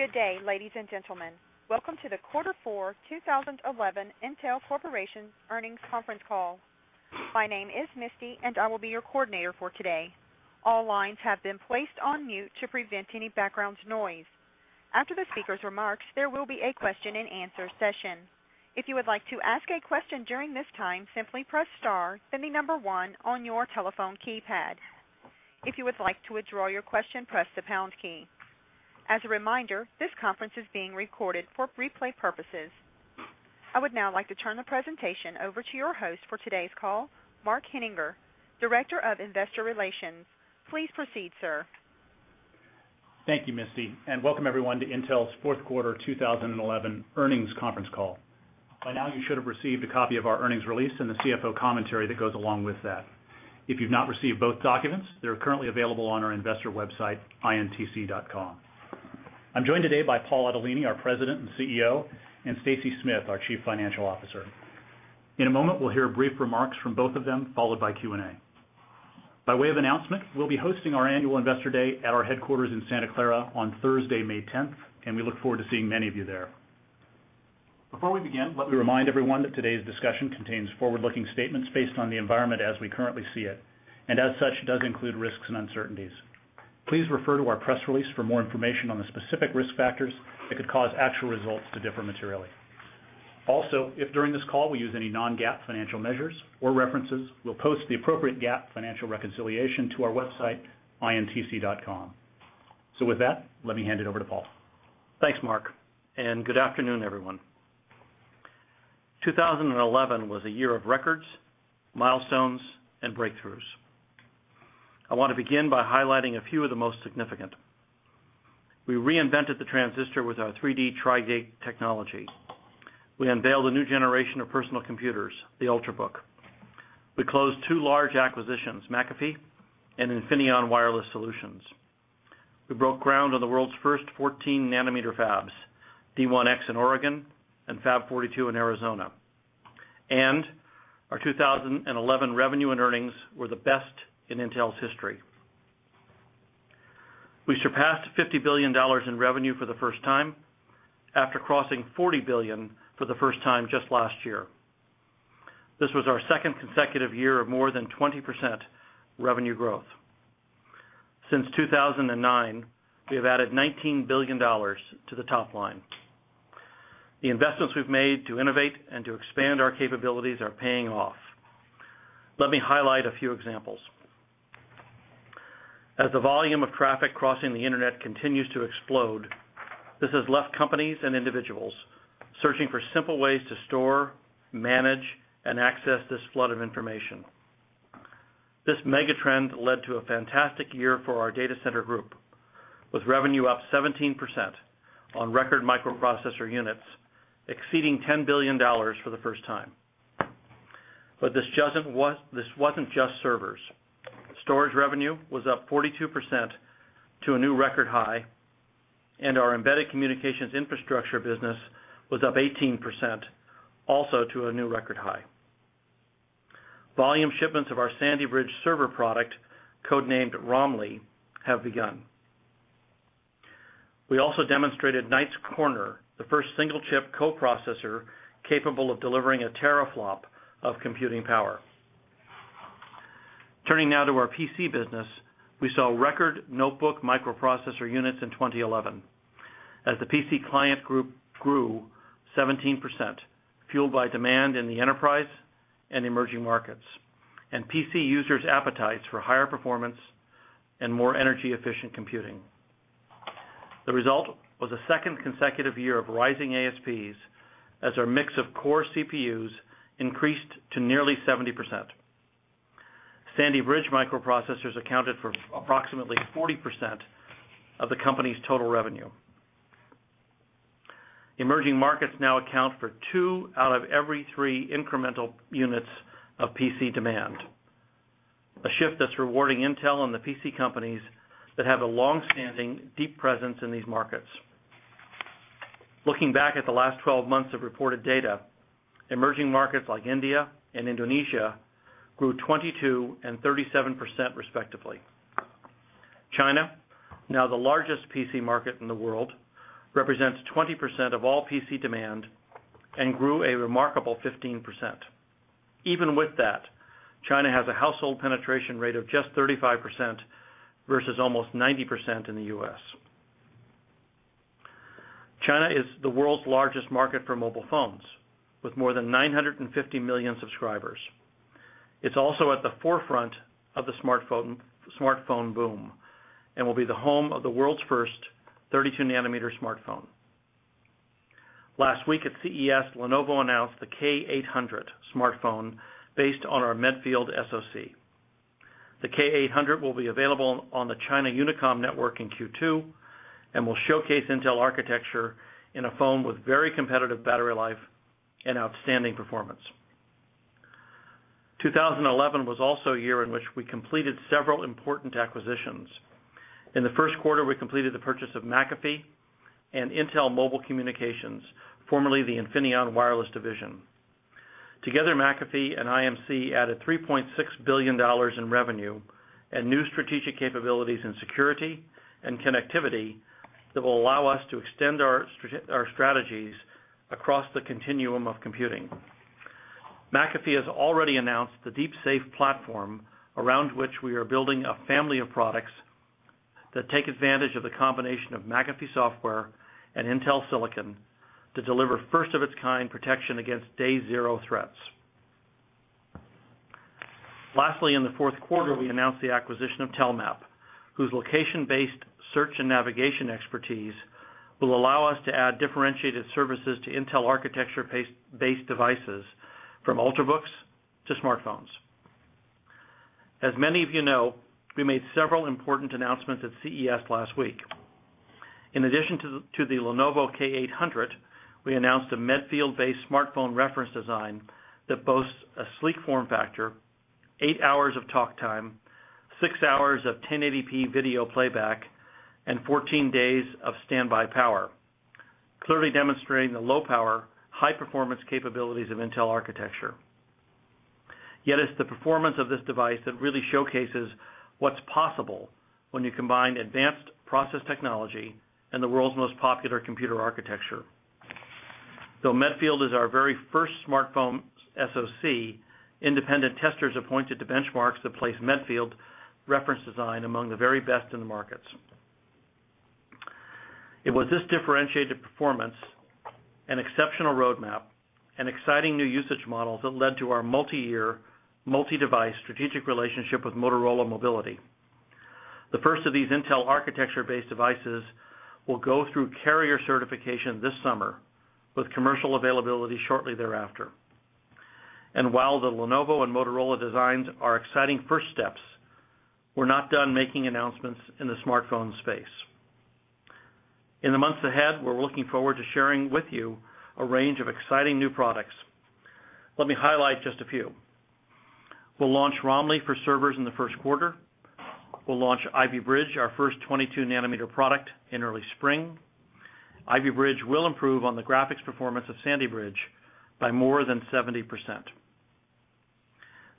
Good day, ladies and gentlemen. Welcome to the Quarter Four 2011 Intel Corporation Earnings Conference Call. My name is Misty, and I will be your coordinator for today. All lines have been placed on mute to prevent any background noise. After the speaker's remarks, there will be a question and answer session. If you would like to ask a question during this time, simply press star then the number one on your telephone keypad. If you would like to withdraw your question, press the pound key. As a reminder, this conference is being recorded for replay purposes. I would now like to turn the presentation over to your host for today's call, Mark Henninger, Director of Investor Relations. Please proceed, sir. Thank you, Misty, and welcome everyone to Intel's Fourth Quarter 2011 Earnings Conference Call. By now, you should have received a copy of our earnings release and the CFO commentary that goes along with that. If you've not received both documents, they're currently available on our investor website, intc.com. I'm joined today by Paul Otellini, our President and CEO, and Stacy Smith, our Chief Financial Officer. In a moment, we'll hear brief remarks from both of them, followed by Q&A. By way of announcement, we'll be hosting our annual Investor Day at our headquarters in Santa Clara on Thursday, May 10th, and we look forward to seeing many of you there. Before we begin, let me remind everyone that today's discussion contains forward-looking statements based on the environment as we currently see it, and as such, does include risks and uncertainties. Please refer to our press release for more information on the specific risk factors that could cause actual results to differ materially. Also, if during this call we use any non-GAAP financial measures or references, we'll post the appropriate GAAP financial reconciliation to our website, intc.com. So with that, let me hand it over to Paul. Thanks, Mark, and good afternoon, everyone. 2011 was a year of records, milestones, and breakthroughs. I want to begin by highlighting a few of the most significant. We reinvented the transistor with our 3-D Tri-Gate technology. We unveiled a new generation of personal computers, the Ultrabook. We closed two large acquisitions, McAfee and Infineon Wireless Solutions. We broke ground on the world's first 14-nm fabs, D1X in Oregon and Fab 42 in Arizona. Our 2011 revenue and earnings were the best in Intel's history. We surpassed $50 billion in revenue for the first time after crossing $40 billion for the first time just last year. This was our second consecutive year of more than 20% revenue growth. Since 2009, we have added $19 billion to the top line. The investments we've made to innovate and to expand our capabilities are paying off. Let me highlight a few examples. As the volume of traffic crossing the internet continues to explode, this has left companies and individuals searching for simple ways to store, manage, and access this flood of information. This megatrend led to a fantastic year for our Data Center Group, with revenue up 17% on record microprocessor units, exceeding $10 billion for the first time. This wasn't just servers. Storage revenue was up 42% to a new record high, and our embedded communications infrastructure business was up 18%, also to a new record high. Volume shipments of our Sandy Bridge server product, codenamed Romley, have begun. We also demonstrated Knights Corner, the first single-chip coprocessor capable of delivering a teraflop of computing power. Turning now to our PC business, we saw record notebook microprocessor units in 2011 as the PC Client Group grew 17%, fueled by demand in the enterprise and emerging markets, and PC users' appetites for higher performance and more energy-efficient computing. The result was a second consecutive year of rising ASPs as our mix of core CPUs increased to nearly 70%. Sandy Bridge microprocessors accounted for approximately 40% of the company's total revenue. Emerging markets now account for two out of every three incremental units of PC demand, a shift that's rewarding Intel and the PC companies that have a longstanding deep presence in these markets. Looking back at the last 12 months of reported data, emerging markets like India and Indonesia grew 22% and 37% respectively. China, now the largest PC market in the world, represents 20% of all PC demand and grew a remarkable 15%. Even with that, China has a household penetration rate of just 35% versus almost 90% in the U.S. China is the world's largest market for mobile phones, with more than 950 million subscribers. It's also at the forefront of the smartphone boom and will be the home of the world's first 32-nm smartphone. Last week at CES, Lenovo announced the K800 smartphone based on our Medfield SoC. The K800 will be available on the China Unicom Network in Q2 and will showcase Intel architecture in a phone with very competitive battery life and outstanding performance. 2011 was also a year in which we completed several important acquisitions. In the first quarter, we completed the purchase of McAfee and Intel Mobile Communications, formerly the Infineon Wireless Solutions division. Together, McAfee and IMC added $3.6 billion in revenue and new strategic capabilities in security and connectivity that will allow us to extend our strategies across the continuum of computing. McAfee has already announced the DeepSAFE platform around which we are building a family of products that take advantage of the combination of McAfee software and Intel silicon to deliver first-of-its-kind protection against day-zero threats. Lastly, in the fourth quarter, we announced the acquisition of Telmap, whose location-based search and navigation expertise will allow us to add differentiated services to Intel architecture-based devices, from Ultrabooks to smartphones. As many of you know, we made several important announcements at CES last week. In addition to the Lenovo K800, we announced a Medfield-based smartphone reference design that boasts a sleek form factor, eight hours of talk time, six hours of 1080p video playback, and 14 days of standby power, clearly demonstrating the low-power, high-performance capabilities of Intel architecture. Yet it's the performance of this device that really showcases what's possible when you combine advanced process technology and the world's most popular computer architecture. Though Medfield is our very first smartphone SoC, independent testers pointed to benchmarks that place Medfield reference design among the very best in the markets. It was this differentiated performance, an exceptional roadmap, and exciting new usage models that led to our multi-year, multi-device strategic relationship with Motorola Mobility. The first of these Intel architecture-based devices will go through carrier certification this summer, with commercial availability shortly thereafter. While the Lenovo and Motorola designs are exciting first steps, we're not done making announcements in the smartphone space. In the months ahead, we're looking forward to sharing with you a range of exciting new products. Let me highlight just a few. We'll launch Romley for servers in the first quarter. We'll launch Ivy Bridge, our first 22-nm product, in early spring. Ivy Bridge will improve on the graphics performance of Sandy Bridge by more than 70%.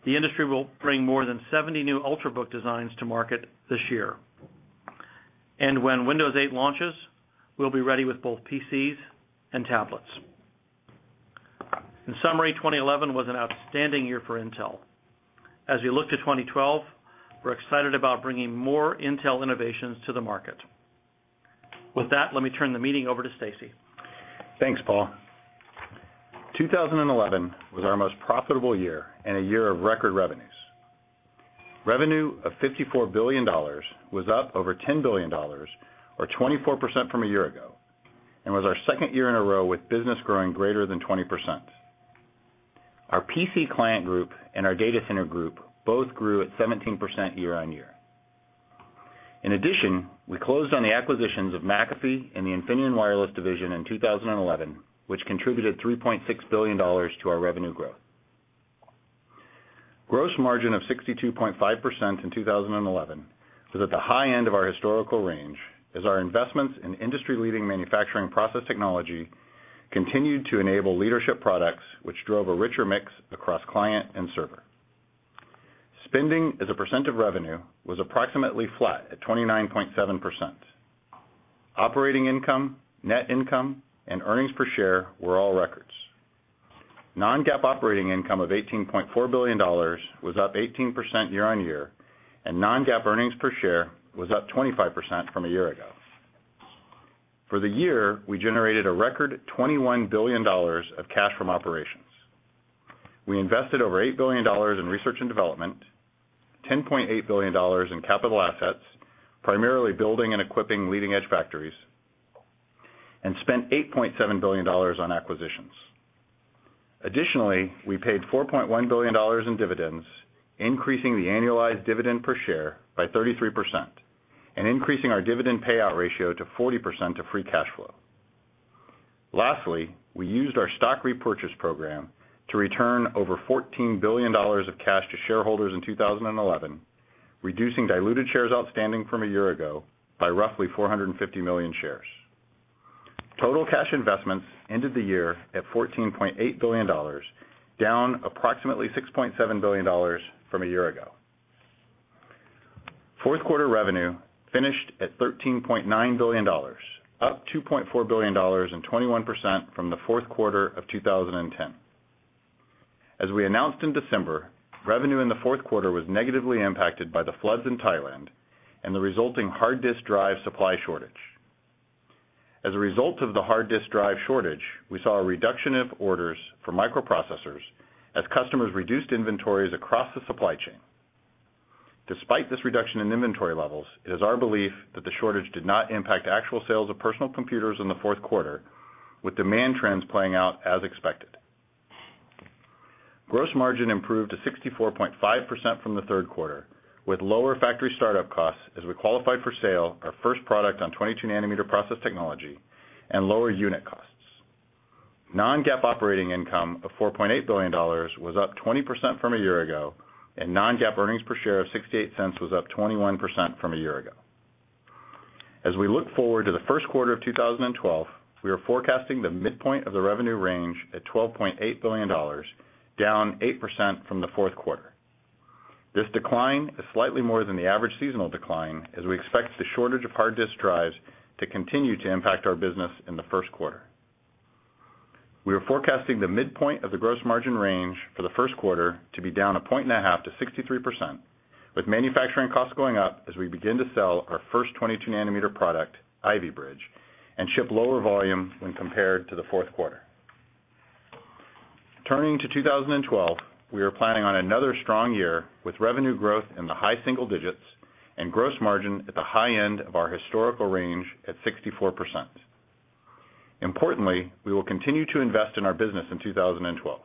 The industry will bring more than 70 new Ultrabook designs to market this year. When Windows 8 launches, we'll be ready with both PCs and tablets. In summary, 2011 was an outstanding year for Intel. As we look to 2012, we're excited about bringing more Intel innovations to the market. With that, let me turn the meeting over to Stacy. Thanks, Paul. 2011 was our most profitable year and a year of record revenues. Revenue of $54 billion was up over $10 billion, or 24% from a year ago, and was our second year in a row with business growing greater than 20%. Our PC Client Group and our Data Center Group both grew at 17% year-on-year. In addition, we closed on the acquisitions of McAfee and the Infineon Wireless division in 2011, which contributed $3.6 billion to our revenue growth. Gross margin of 62.5% in 2011 was at the high end of our historical range as our investments in industry-leading manufacturing process technology continued to enable leadership products, which drove a richer mix across client and server. Spending as a percent of revenue was approximately flat at 29.7%. Operating income, net income, and earnings per share were all records. Non-GAAP operating income of $18.4 billion was up 18% year-on-year, and non-GAAP earnings per share was up 25% from a year ago. For the year, we generated a record $21 billion of cash from operations. We invested over $8 billion in research and development, $10.8 billion in capital assets, primarily building and equipping leading-edge factories, and spent $8.7 billion on acquisitions. Additionally, we paid $4.1 billion in dividends, increasing the annualized dividend per share by 33% and increasing our dividend payout ratio to 40% of free cash flow. Lastly, we used our stock repurchase program to return over $14 billion of cash to shareholders in 2011, reducing diluted shares outstanding from a year ago by roughly 450 million shares. Total cash investments ended the year at $14.8 billion, down approximately $6.7 billion from a year ago. Fourth quarter revenue finished at $13.9 billion, up $2.4 billion and 21% from the fourth quarter of 2010. As we announced in December, revenue in the fourth quarter was negatively impacted by the floods in Thailand and the resulting hard disk drive supply shortage. As a result of the hard disk drive shortage, we saw a reduction of orders for microprocessors as customers reduced inventories across the supply chain. Despite this reduction in inventory levels, it is our belief that the shortage did not impact actual sales of personal computers in the fourth quarter, with demand trends playing out as expected. Gross margin improved to 64.5% from the third quarter, with lower factory startup costs as we qualified for sale our first product on 22-nm process technology and lower unit costs. Non-GAAP operating income of $4.8 billion was up 20% from a year ago, and non-GAAP earnings per share of $0.68 was up 21% from a year ago. As we look forward to the first quarter of 2012, we are forecasting the midpoint of the revenue range at $12.8 billion, down 8% from the fourth quarter. This decline is slightly more than the average seasonal decline, as we expect the shortage of hard disk drives to continue to impact our business in the first quarter. We are forecasting the midpoint of the gross margin range for the first quarter to be down 1.5% to 63%, with manufacturing costs going up as we begin to sell our first 22-nm product, Ivy Bridge, and ship lower volume when compared to the fourth quarter. Turning to 2012, we are planning on another strong year with revenue growth in the high single digits and gross margin at the high end of our historical range at 64%. Importantly, we will continue to invest in our business in 2012.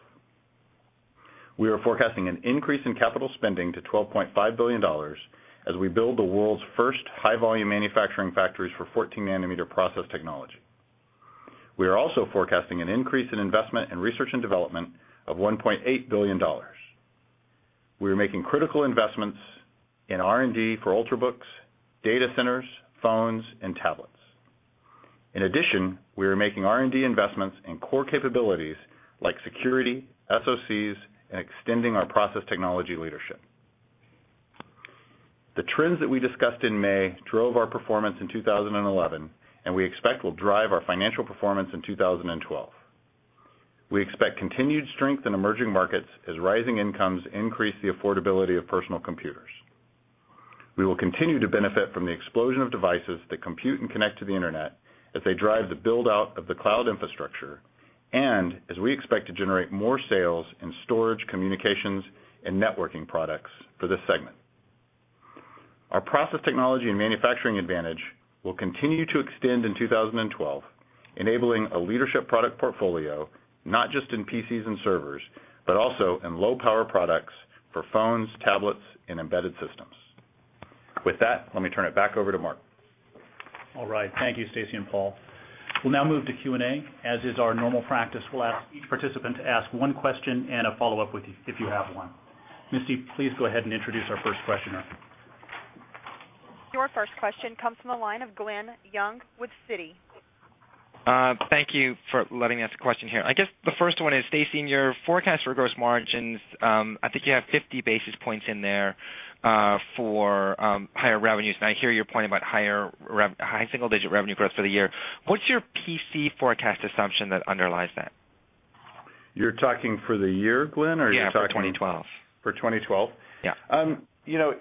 We are forecasting an increase in capital spending to $12.5 billion as we build the world's first high-volume manufacturing factories for 14-nm process technology. We are also forecasting an increase in investment in research and development of $1.8 billion. We are making critical investments in R&D for Ultrabooks, data centers, phones, and tablets. In addition, we are making R&D investments in core capabilities like security, SoCs, and extending our process technology leadership. The trends that we discussed in May drove our performance in 2011, and we expect will drive our financial performance in 2012. We expect continued strength in emerging markets as rising incomes increase the affordability of personal computers. We will continue to benefit from the explosion of devices that compute and connect to the internet as they drive the build-out of the cloud infrastructure and as we expect to generate more sales in storage, communications, and networking products for this segment. Our process technology and manufacturing advantage will continue to extend in 2012, enabling a leadership product portfolio not just in PCs and servers, but also in low-power products for phones, tablets, and embedded systems. With that, let me turn it back over to Mark. All right. Thank you, Stacy and Paul. We'll now move to Q&A. As is our normal practice, we'll ask each participant to ask one question and a follow-up if you have one. Misty, please go ahead and introduce our first questioner. Your first question comes from a line of Glen Young with Citi. Thank you for letting us question here. I guess the first one is, Stacy, in your forecast for gross margins, I think you have 50 basis points in there for higher revenues. I hear your point about high single-digit revenue growth for the year. What's your PC forecast assumption that underlies that? You're talking for the year, Glen, or are you talking? Yeah, 2012. For 2012? Yeah.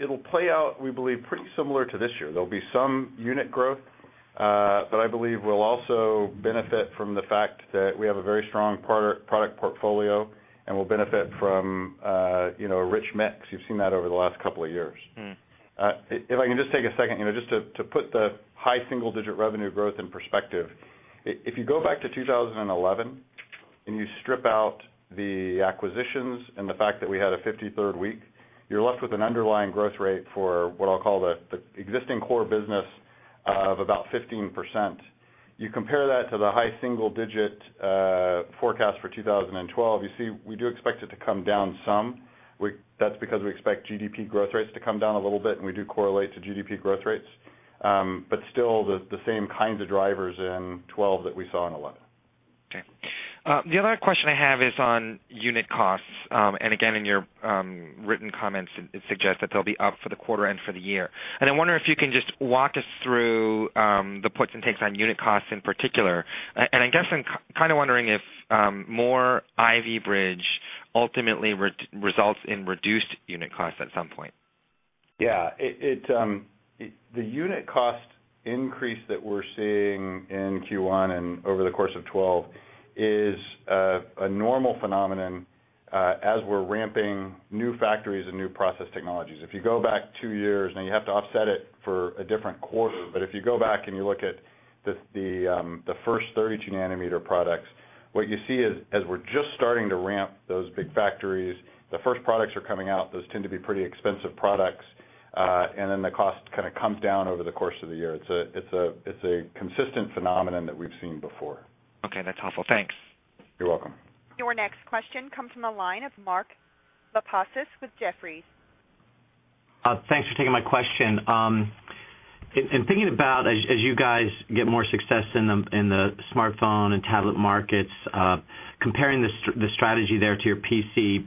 It'll play out, we believe, pretty similar to this year. There'll be some unit growth that I believe will also benefit from the fact that we have a very strong product portfolio and will benefit from a rich mix. You've seen that over the last couple of years. If I can just take a second to put the high single-digit revenue growth in perspective, if you go back to 2011 and you strip out the acquisitions and the fact that we had a 53rd week, you're left with an underlying growth rate for what I'll call the existing core business of about 15%. You compare that to the high single-digit forecast for 2012, you see we do expect it to come down some. That's because we expect GDP growth rates to come down a little bit, and we do correlate to GDP growth rates. Still, the same kinds of drivers in 2012 that we saw in 2011. Okay. The other question I have is on unit costs. In your written comments, it suggests that they'll be up for the quarter and for the year. I wonder if you can just walk us through the puts and takes on unit costs in particular. I'm guessing, kind of wondering if more Ivy Bridge ultimately results in reduced unit costs at some point. Yeah. The unit cost increase that we're seeing in Q1 and over the course of 2012 is a normal phenomenon as we're ramping new factories and new process technologies. If you go back two years, now you have to offset it for a different quarter, but if you go back and you look at the first 32-nm products, what you see is as we're just starting to ramp those big factories, the first products are coming out. Those tend to be pretty expensive products, and then the cost kind of comes down over the course of the year. It's a consistent phenomenon that we've seen before. Okay, that's helpful. Thanks. You're welcome. Your next question comes from a line of Mark Lipacis with Jefferies. Thanks for taking my question. Thinking about as you guys get more success in the smartphone and tablet markets, comparing the strategy there to your PC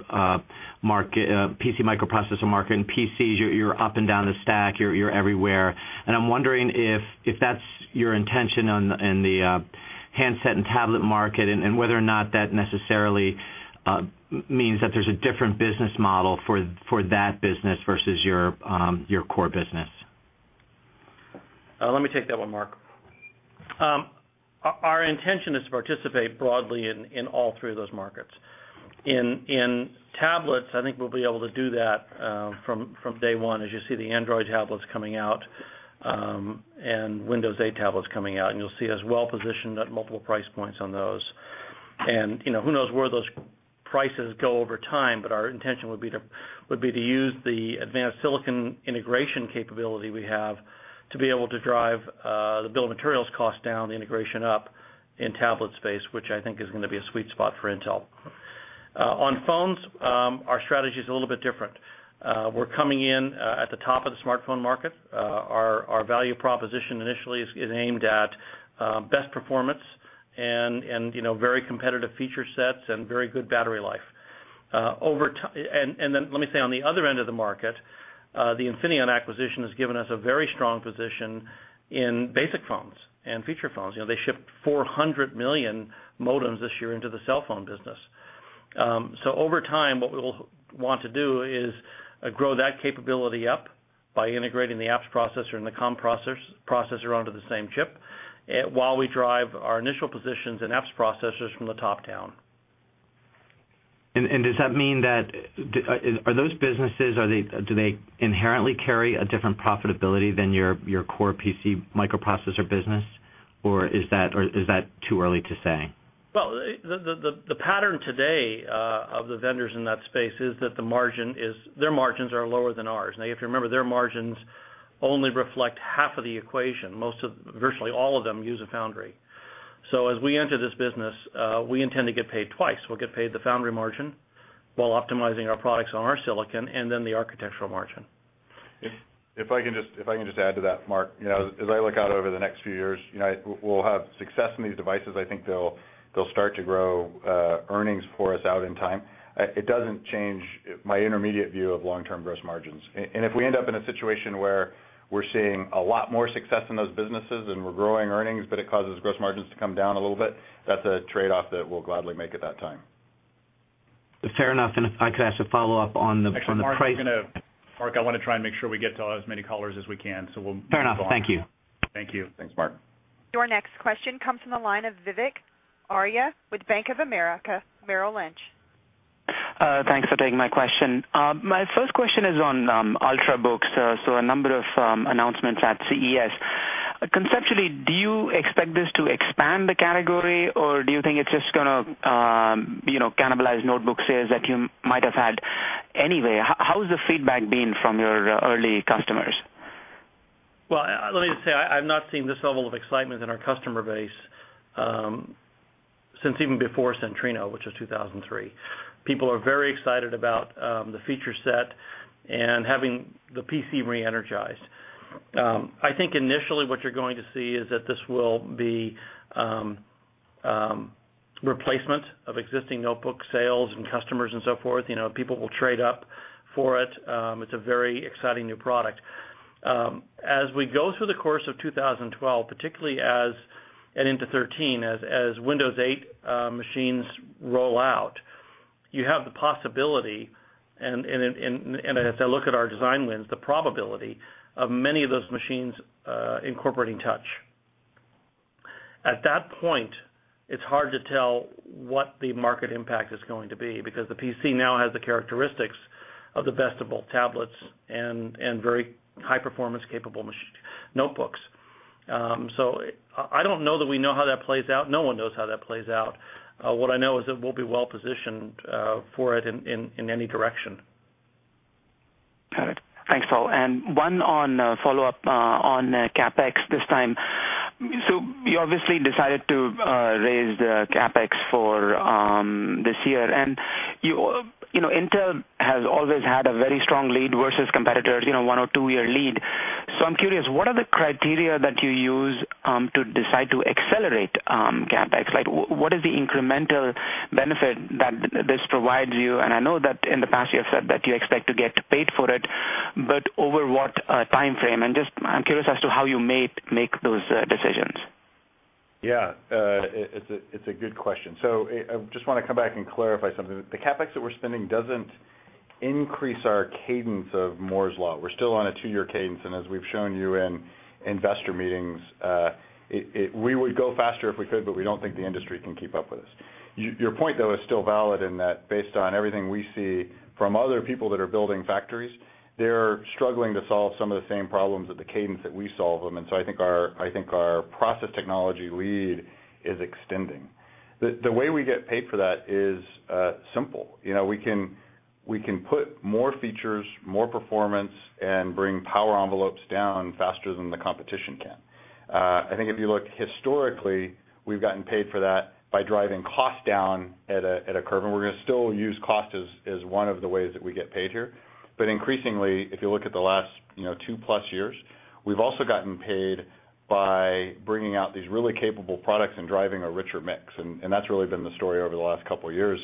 microprocessor market and PCs, you're up and down the stack. You're everywhere. I'm wondering if that's your intention in the handset and tablet market and whether or not that necessarily means that there's a different business model for that business versus your core business. Let me take that one, Mark. Our intention is to participate broadly in all three of those markets. In tablets, I think we'll be able to do that from day one, as you see the Android tablets coming out and Windows 8 tablets coming out. You'll see us well positioned at multiple price points on those. Who knows where those prices go over time, but our intention would be to use the advanced silicon integration capability we have to be able to drive the bill of materials cost down, the integration up in tablet space, which I think is going to be a sweet spot for Intel. On phones, our strategy is a little bit different. We're coming in at the top of the smartphone market. Our value proposition initially is aimed at best performance and very competitive feature sets and very good battery life. Let me say on the other end of the market, the Infineon acquisition has given us a very strong position in basic phones and feature phones. They shipped 400 million modems this year into the cell phone business. Over time, what we will want to do is grow that capability up by integrating the apps processor and the comm processor onto the same chip while we drive our initial positions in apps processors from the top down. Do those businesses inherently carry a different profitability than your core PC microprocessor business, or is that too early to say? The pattern today of the vendors in that space is that their margins are lower than ours. If you remember, their margins only reflect half of the equation. Most of virtually all of them use a foundry. As we enter this business, we intend to get paid twice. We'll get paid the foundry margin while optimizing our products on our silicon and then the architectural margin. If I can just add to that, Mark, as I look out over the next few years, we'll have success in these devices. I think they'll start to grow earnings for us out in time. It doesn't change my intermediate view of long-term gross margins. If we end up in a situation where we're seeing a lot more success in those businesses and we're growing earnings, but it causes gross margins to come down a little bit, that's a trade-off that we'll gladly make at that time. Fair enough. If I could ask a follow-up on the price. Mark, I want to try and make sure we get to as many callers as we can. Fair enough. Thank you. Thank you. Thanks, Martin. Your next question comes from a line of Vivek Arya with Bank of America Merrill Lynch. Thanks for taking my question. My first question is on Ultrabook, so a number of announcements at CES. Conceptually, do you expect this to expand the category, or do you think it's just going to cannibalize notebook sales that you might have had anyway? How's the feedback been from your early customers? I'm not seeing this level of excitement in our customer base since even before Centrino, which was 2003. People are very excited about the feature set and having the PC re-energized. I think initially what you're going to see is that this will be a replacement of existing notebook sales and customers and so forth. People will trade up for it. It's a very exciting new product. As we go through the course of 2012, particularly as and into 2013, as Windows 8 machines roll out, you have the possibility, and as I look at our design wins, the probability of many of those machines incorporating touch. At that point, it's hard to tell what the market impact is going to be because the PC now has the characteristics of the vestibule tablets and very high-performance capable notebooks. I don't know that we know how that plays out. No one knows how that plays out. What I know is that we'll be well positioned for it in any direction. Got it. Thanks, Paul. One follow-up on CapEx this time. You obviously decided to raise the CapEx for this year. Intel has always had a very strong lead versus competitors, a one or two-year lead. I'm curious, what are the criteria that you use to decide to accelerate CapEx? What is the incremental benefit that this provides you? I know that in the past you have said that you expect to get paid for it, but over what time frame? I'm curious as to how you make those decisions. Yeah, it's a good question. I just want to come back and clarify something. The CapEx that we're spending doesn't increase our cadence of Moore's Law. We're still on a two-year cadence. As we've shown you in investor meetings, we would go faster if we could, but we don't think the industry can keep up with us. Your point is still valid in that based on everything we see from other people that are building factories, they're struggling to solve some of the same problems at the cadence that we solve them. I think our process technology lead is extending. The way we get paid for that is simple. We can put more features, more performance, and bring power envelopes down faster than the competition can. I think if you look historically, we've gotten paid for that by driving costs down at a curve. We're going to still use costs as one of the ways that we get paid here. Increasingly, if you look at the last 2+ years, we've also gotten paid by bringing out these really capable products and driving a richer mix. That's really been the story over the last couple of years,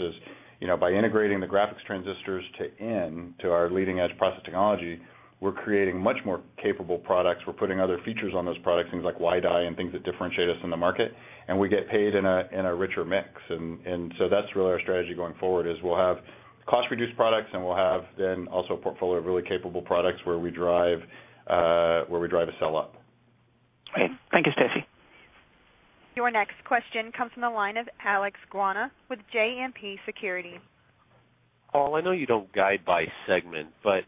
by integrating the graphics transistors to our leading-edge process technology, we're creating much more capable products. We're putting other features on those products, things like WiDi and things that differentiate us in the market. We get paid in a richer mix. That's really our strategy going forward. We'll have cost-reduced products and we'll have then also a portfolio of really capable products where we drive a sell-up. Great. Thank you, Stacy. Your next question comes from a line of Alex Gauna with JMP Securities. Paul, I know you don't guide by segment, but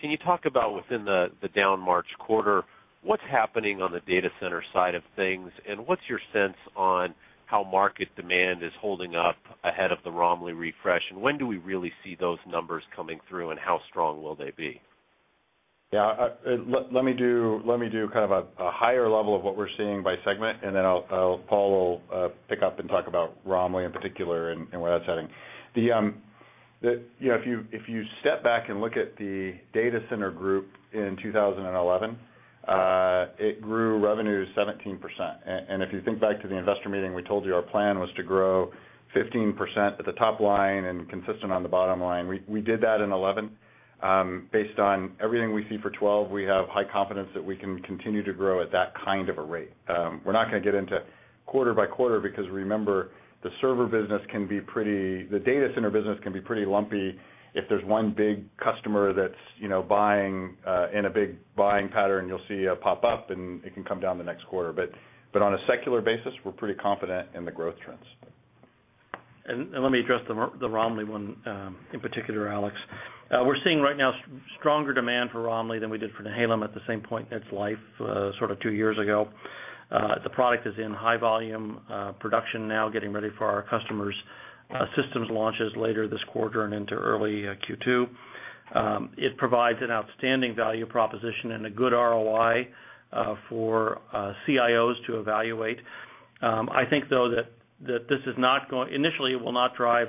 can you talk about within the down March quarter what's happening on the Data Center side of things? What's your sense on how market demand is holding up ahead of the Romley refresh? When do we really see those numbers coming through and how strong will they be? Let me do kind of a higher level of what we're seeing by segment. Paul will pick up and talk about Romley in particular and where that's heading. If you step back and look at the Data Center Group in 2011, it grew revenues 17%. If you think back to the investor meeting, we told you our plan was to grow 15% at the top line and consistent on the bottom line. We did that in 2011. Based on everything we see for 2012, we have high confidence that we can continue to grow at that kind of a rate. We're not going to get into quarter by quarter because remember, the server business can be pretty, the data center business can be pretty lumpy. If there's one big customer that's buying in a big buying pattern, you'll see a pop-up and it can come down the next quarter. On a secular basis, we're pretty confident in the growth trends. Let me address the Romley one in particular, Alex. We're seeing right now stronger demand for Romley than we did for Nehalem at the same point in its life, sort of two years ago. The product is in high-volume production now, getting ready for our customers' systems launches later this quarter and into early Q2. It provides an outstanding value proposition and a good ROI for CIOs to evaluate. I think, though, that this is not going initially, it will not drive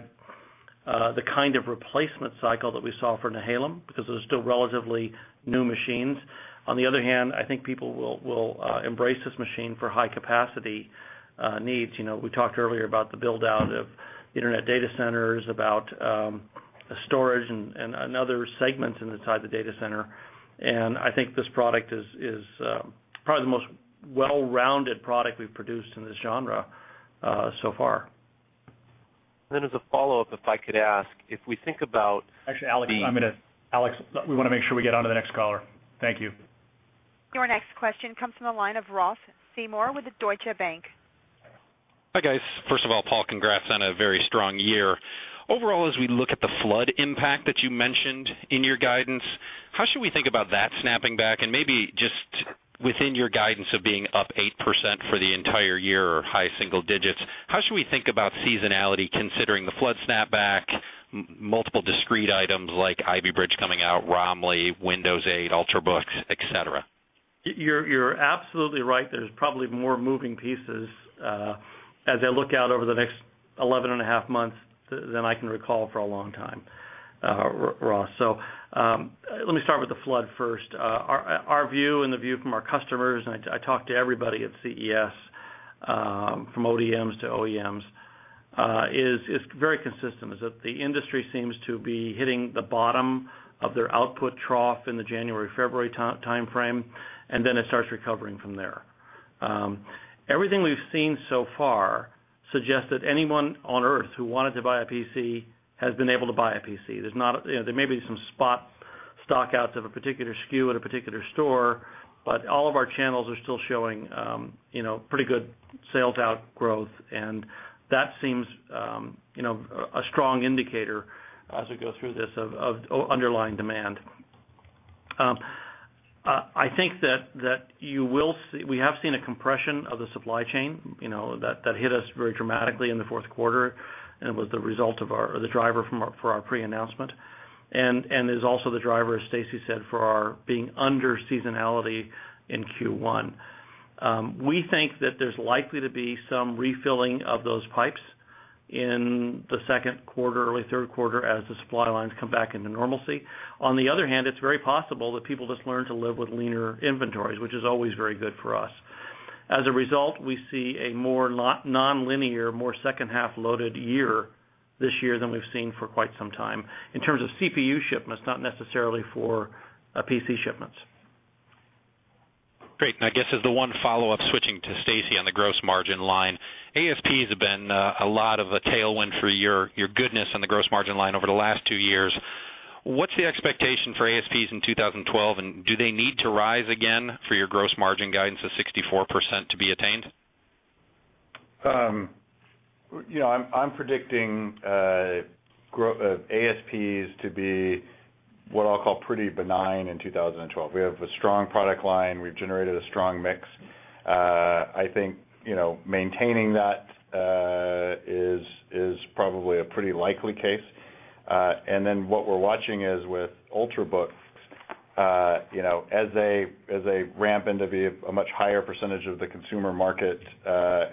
the kind of replacement cycle that we saw for Nehalem because those are still relatively new machines. On the other hand, I think people will embrace this machine for high-capacity needs. We talked earlier about the build-out of internet data centers, about storage, and other segments inside the data center. I think this product is probably the most well-rounded product we've produced in this genre so far. As a follow-up, if I could ask, if we think about. Actually, I'm going to, Alex, we want to make sure we get on to the next caller. Thank you. Your next question comes from a line of Ross Seymore with Deutsche Bank. Hi, guys. First of all, Paul, congrats on a very strong year. Overall, as we look at the flood impact that you mentioned in your guidance, how should we think about that snapping back? Maybe just within your guidance of being up 8% for the entire year or high single digits, how should we think about seasonality considering the flood snapback, multiple discrete items like Ivy Bridge coming out, Romley, Windows 8, Ultrabooks, etc.? You're absolutely right. There's probably more moving pieces as I look out over the next 11.5 months than I can recall for a long time, Ross. Let me start with the flood first. Our view and the view from our customers, and I talk to everybody at CES, from ODMs to OEMs, is very consistent, is that the industry seems to be hitting the bottom of their output trough in the January-February time frame, and then it starts recovering from there. Everything we've seen so far suggests that anyone on Earth who wanted to buy a PC has been able to buy a PC. There may be some spot stockouts of a particular SKU at a particular store, but all of our channels are still showing pretty good sales outgrowth. That seems a strong indicator as we go through this of underlying demand. I think that we have seen a compression of the supply chain that hit us very dramatically in the fourth quarter, and it was the result of the driver for our pre-announcement. It's also the driver, as Stacy said, for our being under seasonality in Q1. We think that there's likely to be some refilling of those pipes in the second quarter, early third quarter, as the supply lines come back into normalcy. On the other hand, it's very possible that people just learn to live with leaner inventories, which is always very good for us. As a result, we see a more nonlinear, more second-half loaded year this year than we've seen for quite some time in terms of CPU shipments, not necessarily for PC shipments. Great. I guess as the one follow-up, switching to Stacy on the gross margin line, ASPs have been a lot of a tailwind for your goodness on the gross margin line over the last two years. What's the expectation for ASPs in 2012? Do they need to rise again for your gross margin guidance of 64% to be attained? I'm predicting ASPs to be what I'll call pretty benign in 2012. We have a strong product line. We've generated a strong mix. I think maintaining that is probably a pretty likely case. What we're watching is with Ultrabook, as they ramp into a much percentage of the consumer market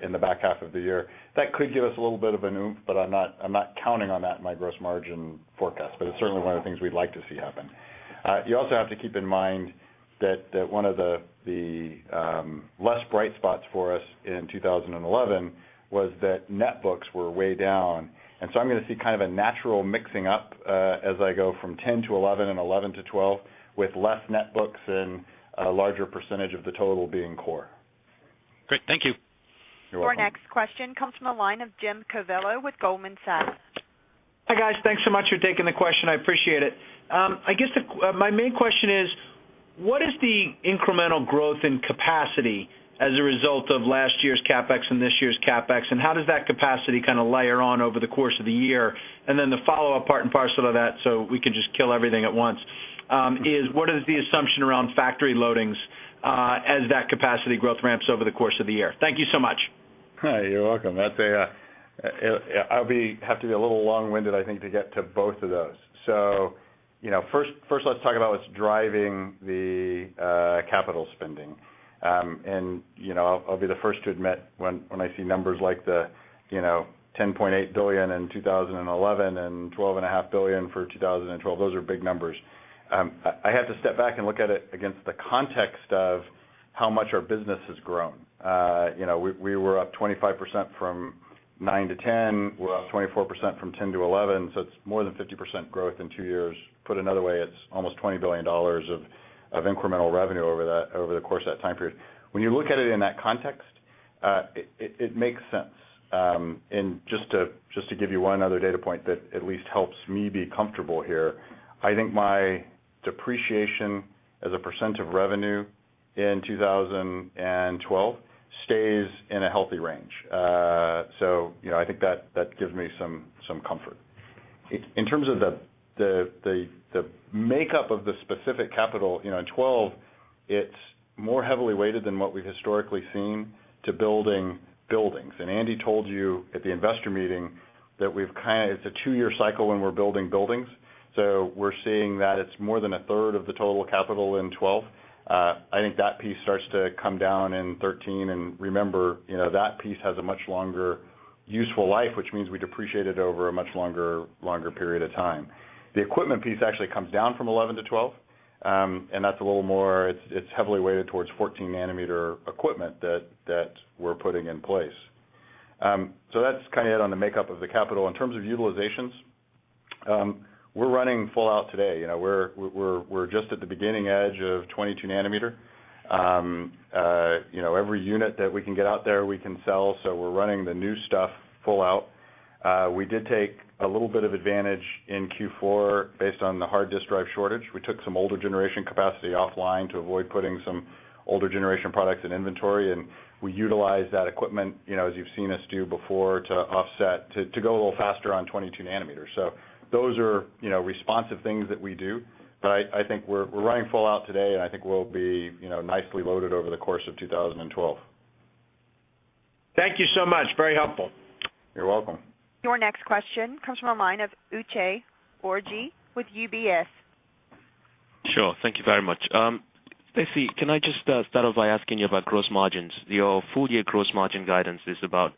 in the back half of the year, that could give us a little bit of an oomph. I'm not counting on that in my gross margin forecast. It's certainly one of the things we'd like to see happen. You also have to keep in mind that one of the less bright spots for us in 2011 was that netbooks were way down. I'm going to see kind of a natural mixing up as I go from 2010 to 2011 and 2011 to 2012, with less netbooks and a larger % of the total being Core. Great, thank you. You're welcome. Your next question comes from a line of Jim Covello with Goldman Sachs. Hey, guys. Thanks so much for taking the question. I appreciate it. I guess my main question is, what is the incremental growth in capacity as a result of last year's CapEx and this year's CapEx? How does that capacity kind of layer on over the course of the year? The follow-up part and parcel of that, so we could just kill everything at once, is what is the assumption around factory loadings as that capacity growth ramps over the course of the year? Thank you so much. Hi, you're welcome. I'll have to be a little long-winded, I think, to get to both of those. First, let's talk about what's driving the capital spending. I'll be the first to admit when I see numbers like the $10.8 billion in 2011 and $12.5 billion for 2012, those are big numbers. I have to step back and look at it against the context of how much our business has grown. We were up 25% from 2009 to 2010. We're up 24% from 2010 to 2011. It's more than 50% growth in two years. Put another way, it's almost $20 billion of incremental revenue over the course of that time period. When you look at it in that context, it makes sense. Just to give you one other data point that at least helps me be comfortable here, I think my depreciation as a percent of revenue in 2012 stays in a healthy range. I think that gives me some comfort. In terms of the makeup of the specific capital, in 2012, it's more heavily weighted than what we've historically seen to building buildings. Andy told you at the investor meeting that it's a two-year cycle when we're building buildings. We're seeing that it's more than a third of the total capital in 2012. I think that piece starts to come down in 2013. Remember, that piece has a much longer useful life, which means we depreciate it over a much longer period of time. The equipment piece actually comes down from 2011 to 2012. That's a little more, it's heavily weighted towards 14-nm equipment that we're putting in place. That's kind of it on the makeup of the capital. In terms of utilizations, we're running full out today. We're just at the beginning edge of 22 nm. Every unit that we can get out there, we can sell. We're running the new stuff full out. We did take a little bit of advantage in Q4 based on the hard disk drive shortage. We took some older generation capacity offline to avoid putting some older generation products in inventory. We utilized that equipment, as you've seen us do before, to offset, to go a little faster on 22 nm. Those are responsive things that we do. I think we're running full out today, and I think we'll be nicely loaded over the course of 2012. Thank you so much. Very helpful. You're welcome. Your next question comes from a line of Uche Orji with UBS. Sure. Thank you very much. Stacy, can I just start off by asking you about gross margins? Your full-year gross margin guidance is about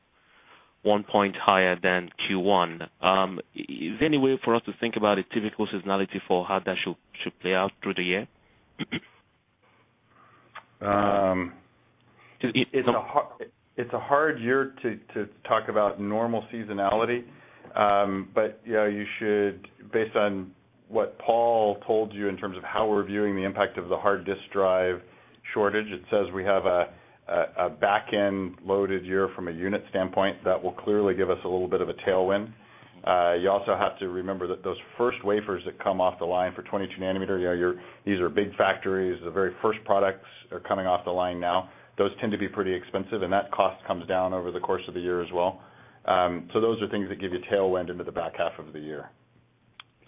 one point higher than Q1. Is there any way for us to think about a typical seasonality for how that should play out through the year? It's a hard year to talk about normal seasonality. You should, based on what Paul told you in terms of how we're viewing the impact of the hard disk drive shortage, see we have a back-end loaded year from a unit standpoint that will clearly give us a little bit of a tailwind. You also have to remember that those first wafers that come off the line for 22 nm, these are big factories. The very first products are coming off the line now. Those tend to be pretty expensive, and that cost comes down over the course of the year as well. Those are things that give you tailwind into the back half of the year,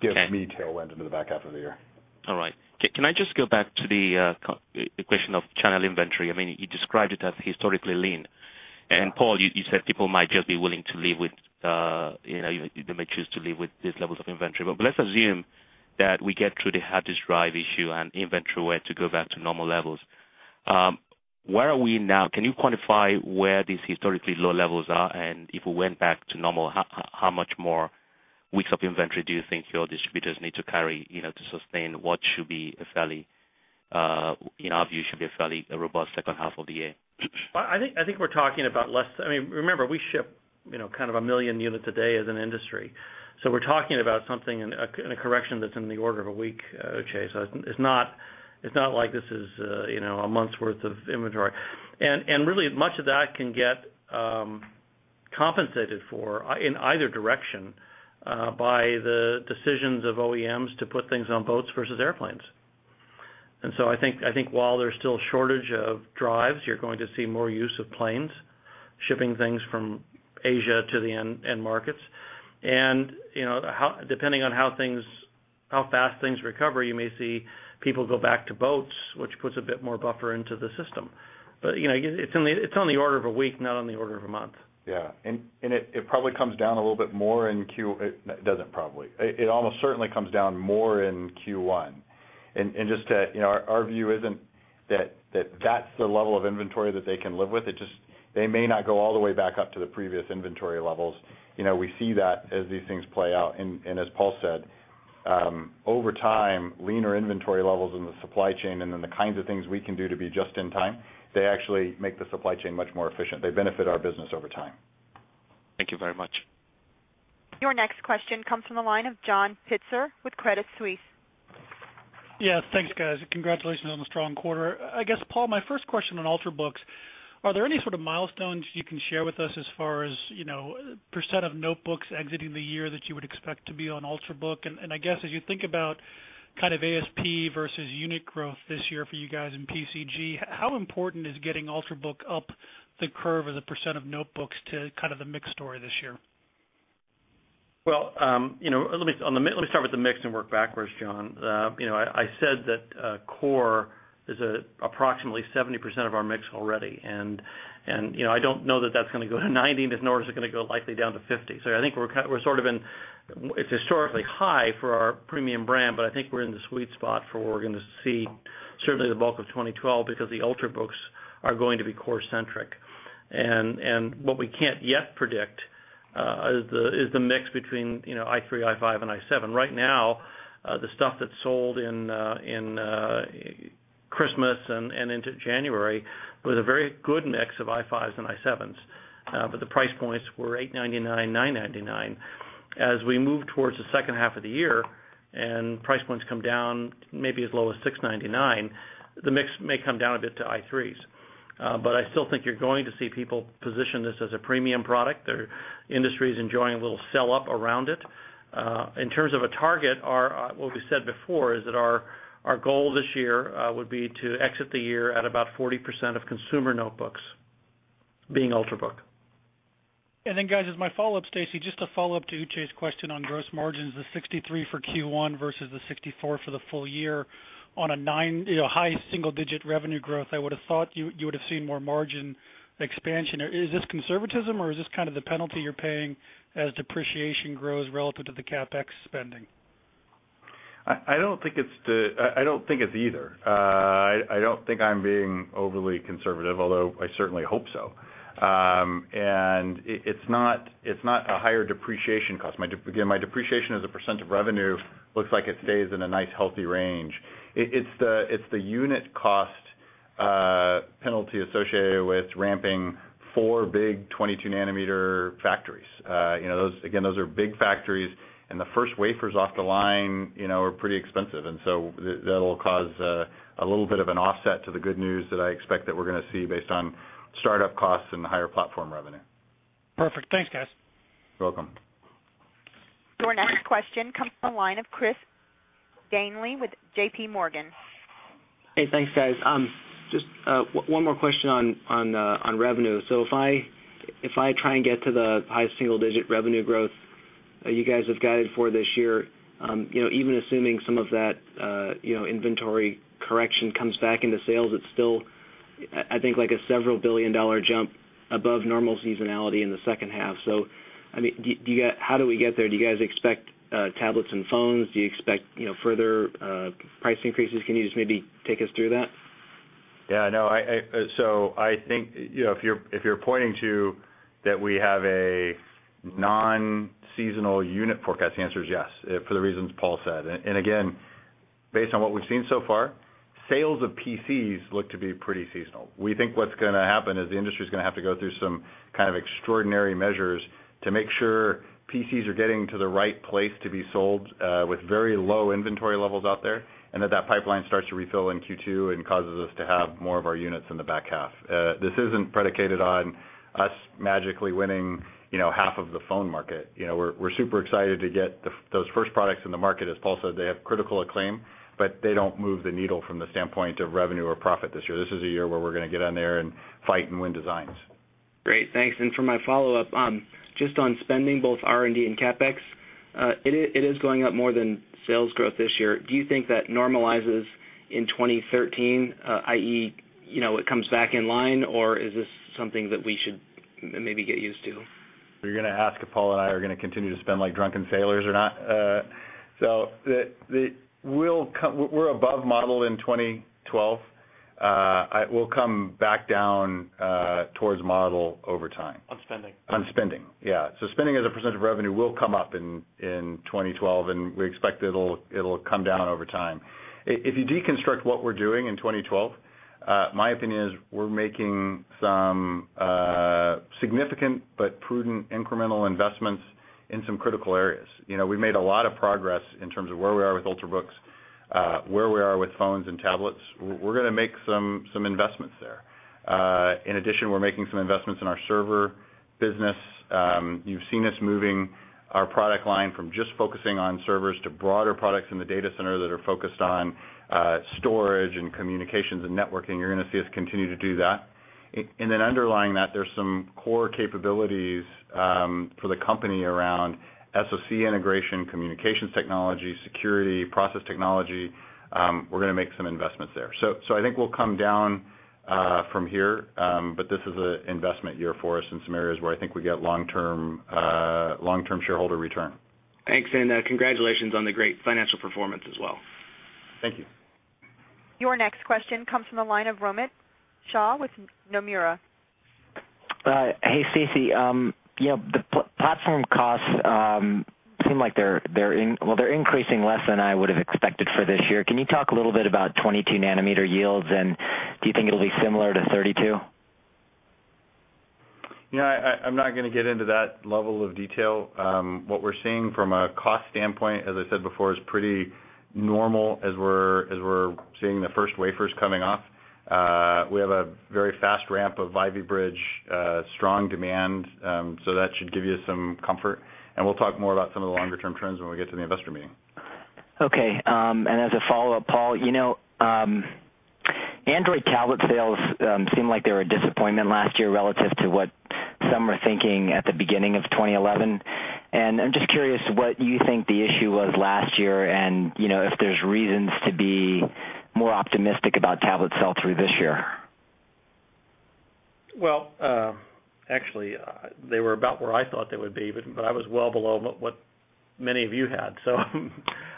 give me tailwind into the back half of the year. All right. Can I just go back to the question of channel inventory? You described it as historically lean. Paul, you said people might just be willing to live with, they may choose to live with these levels of inventory. Let's assume that we get through the hard disk drive issue and inventory were to go back to normal levels. Where are we now? Can you quantify where these historically low levels are? If we went back to normal, how much more weeks of inventory do you think your distributors need to carry to sustain what should be a fairly, in our view, should be a fairly robust second half of the year? I think we're talking about less. I mean, remember, we ship kind of a million units a day as an industry. We're talking about something in a correction that's in the order of a week, Uche. It's not like this is a month's worth of inventory. Really, much of that can get compensated for in either direction by the decisions of OEMs to put things on boats versus airplanes. While there's still a shortage of drives, you're going to see more use of planes shipping things from Asia to the end markets. Depending on how fast things recover, you may see people go back to boats, which puts a bit more buffer into the system. It's on the order of a week, not on the order of a month. Yeah, it probably comes down a little bit more in Q1. It doesn't probably. It almost certainly comes down more in Q1. Our view isn't that that's the level of inventory that they can live with. They may not go all the way back up to the previous inventory levels. We see that as these things play out. As Paul said, over time, leaner inventory levels in the supply chain and then the kinds of things we can do to be just in time actually make the supply chain much more efficient. They benefit our business over time. Thank you very much. Your next question comes from a line of John Pitzer with Crédit Suisse. Yes, thanks, guys. Congratulations on the strong quarter. I guess, Paul, my first question on Ultrabook, are there any sort of milestones you can share with us as far as % of notebooks exiting the year that you would expect to be on Ultrabook? I guess as you think about kind of ASP versus unit growth this year for you guys in PCG, how important is getting Ultrabook up the curve as a percent of notebooks to kind of the mix story this year? Let me start with the mix and work backwards, John. I said that Core is approximately 70% of our mix already. I don't know that that's going to go to 90%, nor is it going to go likely down to 50%. I think we're sort of in, it's historically high for our premium brand, but I think we're in the sweet spot for what we're going to see, certainly the bulk of 2012, because the Ultrabooks are going to be Core-centric. What we can't yet predict is the mix between i3, i5, and i7. Right now, the stuff that sold in Christmas and into January was a very good mix of i5s and i7s. The price points were $899 and $999. As we move towards the second half of the year and price points come down maybe as low as $699, the mix may come down a bit to i3s. I still think you're going to see people position this as a premium product. The industry is enjoying a little sell-up around it. In terms of a target, what we said before is that our goal this year would be to exit the year at about 40% of consumer notebooks being Ultrabook. Stacy, just to follow up to Uche's question on gross margins, the 63% for Q1 versus the 64% for the full year, on a high single-digit revenue growth, I would have thought you would have seen more margin expansion. Is this conservatism, or is this kind of the penalty you're paying as depreciation grows relative to the CapEx spending? I don't think it's either. I don't think I'm being overly conservative, although I certainly hope so. It's not a higher depreciation cost. Again, my depreciation as a percent of revenue looks like it stays in a nice healthy range. It's the unit cost penalty associated with ramping four big 22-nm factories. Those are big factories, and the first wafers off the line are pretty expensive. That will cause a little bit of an offset to the good news that I expect we're going to see based on startup costs and higher platform revenue. Perfect. Thanks, guys. You're welcome. Your next question comes from a line of Chris Danely with JP Morgan. Hey, thanks, guys. Just one more question on revenue. If I try and get to the high single-digit revenue growth you guys have guided for this year, even assuming some of that inventory correction comes back into sales, it's still, I think, like a several billion dollar jump above normal seasonality in the second half. How do we get there? Do you guys expect tablets and phones? Do you expect further price increases? Can you just maybe take us through that? I think if you're pointing to that we have a non-seasonal unit forecast, the answer is yes, for the reasons Paul said. Based on what we've seen so far, sales of PCs look to be pretty seasonal. We think what's going to happen is the industry is going to have to go through some kind of extraordinary measures to make sure PCs are getting to the right place to be sold with very low inventory levels out there, and that pipeline starts to refill in Q2 and causes us to have more of our units in the back half. This isn't predicated on us magically winning half of the phone market. We're super excited to get those first products in the market. As Paul said, they have critical acclaim, but they don't move the needle from the standpoint of revenue or profit this year. This is a year where we're going to get on there and fight and win designs. Great, thanks. For my follow-up, just on spending, both R&D and CapEx, it is going up more than sales growth this year. Do you think that normalizes in 2013, i.e., it comes back in line? Is this something that we should maybe get used to? You're going to ask if Paul and I are going to continue to spend like drunken sailors or not. We are above model in 2012. We will come back down towards model over time. On spending. On spending, yeah. Spending as a percent of revenue will come up in 2012, and we expect it'll come down over time. If you deconstruct what we're doing in 2012, my opinion is we're making some significant but prudent incremental investments in some critical areas. We've made a lot of progress in terms of where we are with Ultrabook, where we are with phones and tablets. We're going to make some investments there. In addition, we're making some investments in our server business. You've seen us moving our product line from just focusing on servers to broader products in the data center that are focused on storage and communications and networking. You're going to see us continue to do that. Underlying that, there's some core capabilities for the company around SoC integration, communications technology, security, process technology. We're going to make some investments there. I think we'll come down from here. This is an investment year for us in some areas where I think we get long-term shareholder return. Thanks, and congratulations on the great financial performance as well. Thank you. Your next question comes from a line of Romit Shah with Nomura. Hey, Stacy. The platform costs seem like they're increasing less than I would have expected for this year. Can you talk a little bit about 22-nm yields? Do you think it'll be similar to 32 nm? No, I'm not going to get into that level of detail. What we're seeing from a cost standpoint, as I said before, is pretty normal as we're seeing the first wafers coming off. We have a very fast ramp of Ivy Bridge, strong demand. That should give you some comfort. We'll talk more about some of the longer-term trends when we get to the investor meeting. Okay. As a follow-up, Paul, you know Android tablet sales seemed like they were a disappointment last year relative to what some were thinking at the beginning of 2011. I'm just curious what you think the issue was last year and if there's reasons to be more optimistic about tablet sell-through this year. Actually, they were about where I thought they would be, but I was well below what many of you had.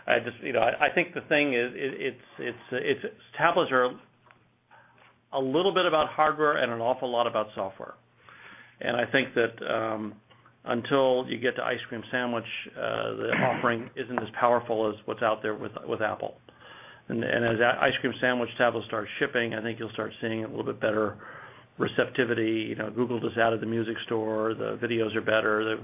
I think the thing is tablets are a little bit about hardware and an awful lot about software. I think that until you get to Ice Cream Sandwich, the offering isn't as powerful as what's out there with Apple. As Ice Cream Sandwich tablets start shipping, I think you'll start seeing a little bit better receptivity. Google just added the Music Store. The videos are better.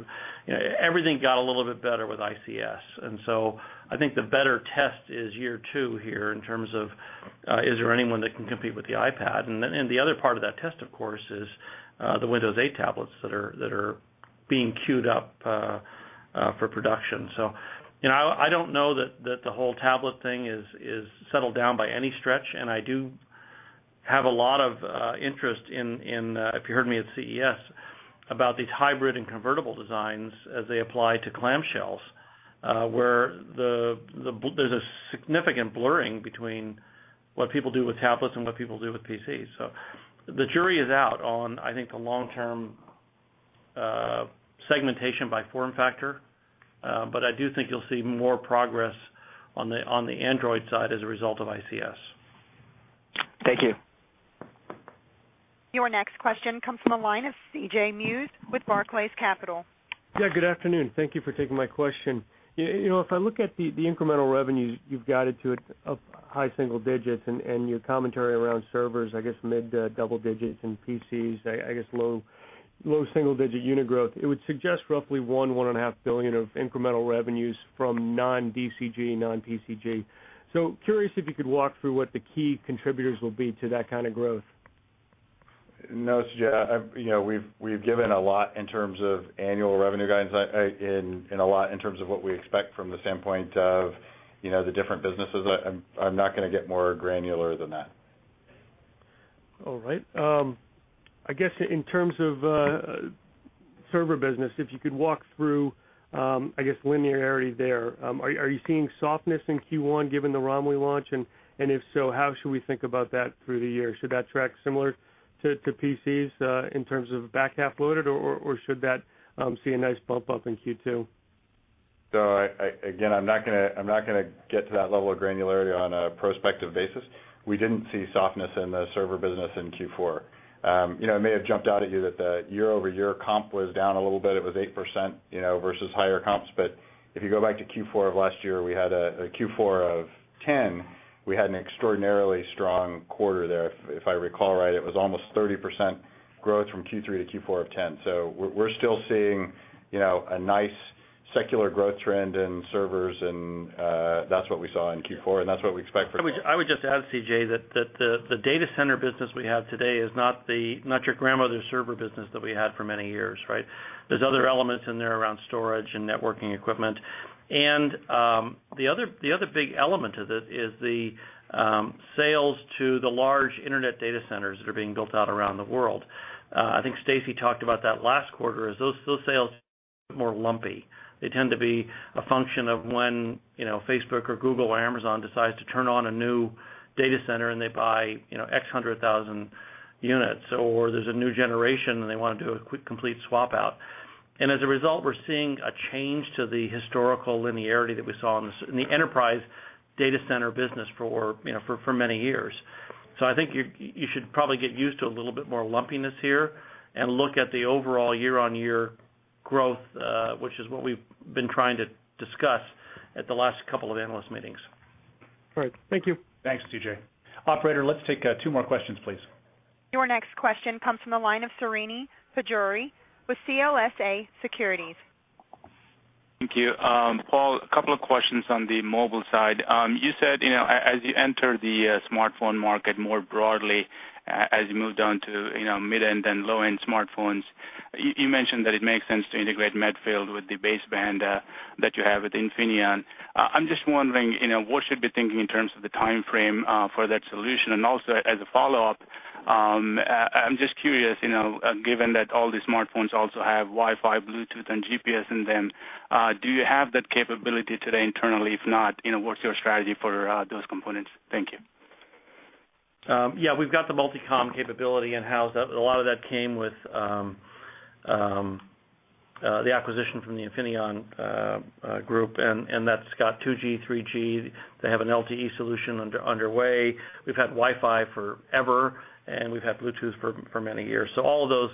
Everything got a little bit better with ICS. I think the better test is year two here in terms of, "Is there anyone that can compete with the iPad?" The other part of that test, of course, is the Windows 8 tablets that are being queued up for production. I don't know that the whole tablet thing is settled down by any stretch. I do have a lot of interest in, if you heard me at CES, about these hybrid and convertible designs as they apply to clamshells where there's a significant blurring between what people do with tablets and what people do with PCs. The jury is out on, I think, the long-term segmentation by form factor. I do think you'll see more progress on the Android side as a result of ICS. Thank you. Your next question comes from a line of CJ Muse with Barclays Capital. Yeah, good afternoon. Thank you for taking my question. If I look at the incremental revenues you've guided to up high single digits and your commentary around servers, I guess mid double digits and PCs, I guess low single-digit unit growth, it would suggest roughly $1 billion, $1.5 billion of incremental revenues from non-DCG, non-PCG. Curious if you could walk through what the key contributors will be to that kind of growth. No, CJ. We've given a lot in terms of annual revenue guidance and a lot in terms of what we expect from the standpoint of the different businesses. I'm not going to get more granular than that. All right. I guess in terms of server business, if you could walk through, I guess, linearity there, are you seeing softness in Q1 given the Romley launch? If so, how should we think about that through the year? Should that track similar to PCs in terms of back half loaded, or should that see a nice bump up in Q2? Again, I'm not going to get to that level of granularity on a prospective basis. We didn't see softness in the server business in Q4. It may have jumped out at you that the year-over-year comp was down a little bit. It was 8% versus higher comps. If you go back to Q4 of last year, we had a Q4 of 2010, we had an extraordinarily strong quarter there. If I recall right, it was almost 30% growth from Q3 to Q4 of 2010. We're still seeing a nice secular growth trend in servers, and that's what we saw in Q4. That's what we expect. I would just add, CJ, that the data center business we have today is not your grandmother's server business that we had for many years. There are other elements in there around storage and networking equipment. The other big element of it is the sales to the large internet data centers that are being built out around the world. I think Stacy talked about that last quarter, as those sales are more lumpy. They tend to be a function of when Facebook or Google or Amazon decides to turn on a new data center and they buy X hundred thousand units. There is a new generation and they want to do a quick, complete swap out. As a result, we're seeing a change to the historical linearity that we saw in the enterprise data center business for many years. I think you should probably get used to a little bit more lumpiness here and look at the overall year-on-year growth, which is what we've been trying to discuss at the last couple of analyst meetings. All right. Thank you. Thanks, CJ. Operator, let's take two more questions, please. Your next question comes from a line of Srini Pajjuri with CLSA Securities. Thank you. Paul, a couple of questions on the mobile side. You said as you enter the smartphone market more broadly, as you move down to mid-end and low-end smartphones, you mentioned that it makes sense to integrate Medfield with the baseband that you have with Infineon. I'm just wondering, what should we be thinking in terms of the time frame for that solution? Also, as a follow-up, I'm just curious, given that all these smartphones also have Wi-Fi, Bluetooth, and GPS in them, do you have that capability today internally? If not, what's your strategy for those components? Thank you. Yeah, we've got the multicom capability in-house. A lot of that came with the acquisition from the Infineon group, and that's got 2G, 3G. They have an LTE solution underway. We've had Wi-Fi forever, and we've had Bluetooth for many years. All of those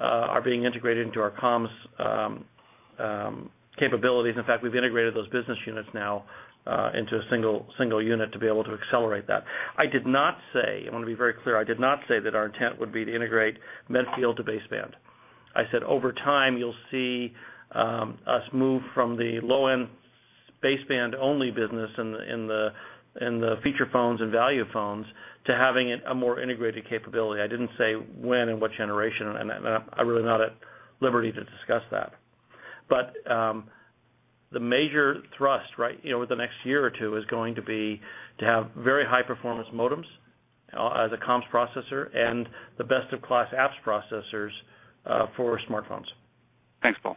are being integrated into our comms capabilities. In fact, we've integrated those business units now into a single unit to be able to accelerate that. I did not say, I want to be very clear, I did not say that our intent would be to integrate Medfield to baseband. I said over time, you'll see us move from the low-end baseband-only business in the feature phones and value phones to having a more integrated capability. I didn't say when and what generation. I'm really not at liberty to discuss that. The major thrust over the next year or two is going to be to have very high-performance modems as a comms processor and the best-of-class apps processors for smartphones. Thanks, Paul.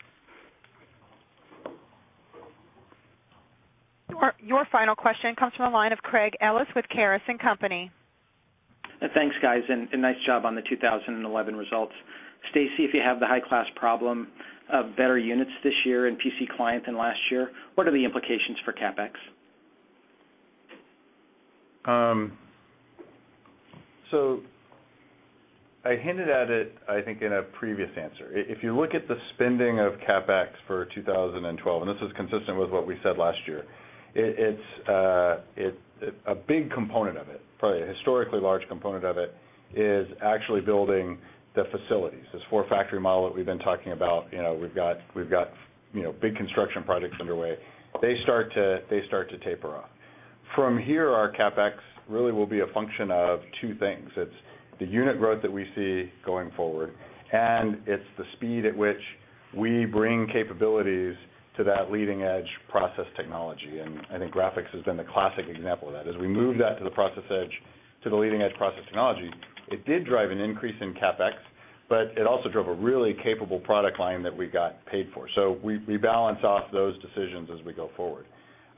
Your final question comes from a line of Craig Ellis with Caris & Co. Thanks, guys. Nice job on the 2011 results. Stacy, if you have the high-class problem of better units this year in PC Client than last year, what are the implications for CapEx? I hinted at it, I think, in a previous answer. If you look at the spending of CapEx for 2012, and this is consistent with what we said last year, a big component of it, probably a historically large component of it, is actually building the facilities. This four-factory model that we've been talking about, we've got big construction projects underway. They start to taper off. From here, our CapEx really will be a function of two things. It's the unit growth that we see going forward, and it's the speed at which we bring capabilities to that leading-edge process technology. I think graphics has been the classic example of that. As we move that to the process edge, to the leading-edge process technology, it did drive an increase in CapEx, but it also drove a really capable product line that we got paid for. We balance off those decisions as we go forward.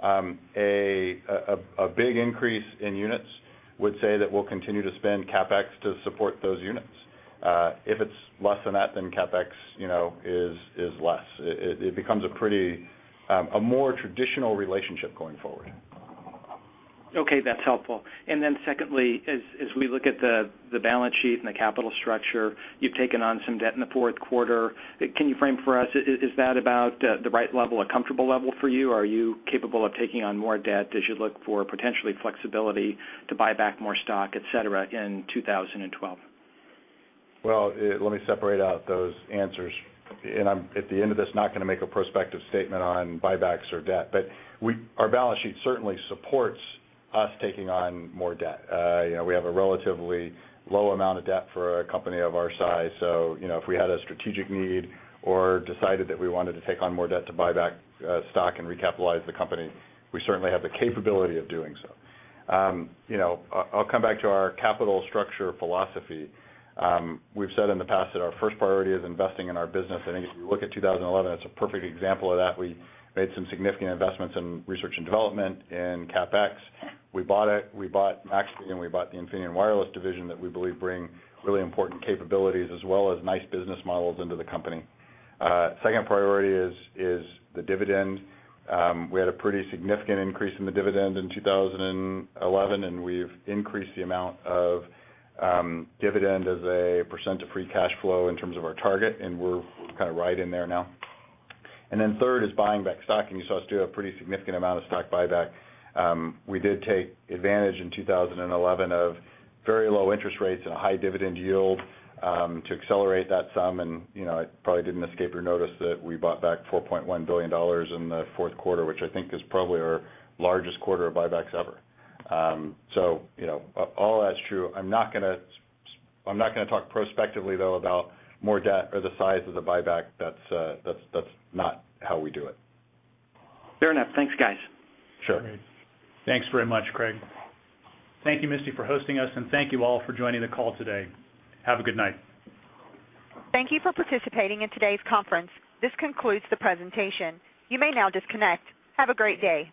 A big increase in units would say that we'll continue to spend CapEx to support those units. If it's less than that, then CapEx is less. It becomes a more traditional relationship going forward. Okay, that's helpful. Secondly, as we look at the balance sheet and the capital structure, you've taken on some debt in the fourth quarter. Can you frame for us, is that about the right level, a comfortable level for you? Are you capable of taking on more debt as you look for potentially flexibility to buy back more stock, etc., in 2012? Let me separate out those answers. At the end of this, I'm not going to make a prospective statement on buybacks or debt. Our balance sheet certainly supports us taking on more debt. We have a relatively low amount of debt for a company of our size. If we had a strategic need or decided that we wanted to take on more debt to buy back stock and recapitalize the company, we certainly have the capability of doing so. I'll come back to our capital structure philosophy. We've said in the past that our first priority is investing in our business. I think if you look at 2011, it's a perfect example of that. We made some significant investments in research and development and CapEx. We bought it. We bought Medfield. And we bought the Infineon Wireless Solutions division that we believe brings really important capabilities as well as nice business models into the company. Second priority is the dividend. We had a pretty significant increase in the dividend in 2011. We've increased the amount of dividend as a % of free cash flow in terms of our target, and we're kind of right in there now. Third is buying back stock. You saw us do a pretty significant amount of stock buyback. We did take advantage in 2011 of very low interest rates and a high dividend yield to accelerate that some. It probably didn't escape your notice that we bought back $4.1 billion in the fourth quarter, which I think is probably our largest quarter of buybacks ever. All that's true. I'm not going to talk prospectively, though, about more debt or the size of the buyback. That's not how we do it. Fair enough. Thanks, guys. Sure. Thanks very much, Craig. Thank you, Misty, for hosting us. Thank you all for joining the call today. Have a good night. Thank you for participating in today's conference. This concludes the presentation. You may now disconnect. Have a great day.